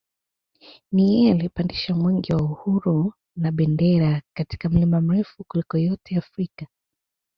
Ni yeye aliyepandisha mwenge wa uhuru na bendera katika mlima mrefu kuliko yote Afrika